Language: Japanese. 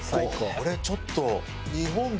これちょっと。